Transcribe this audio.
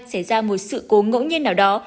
sẽ ra một sự cố ngẫu nhiên nào đó